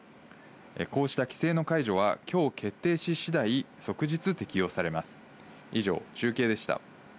こうした規制の解除は今日、決定し次第、即日適用されます。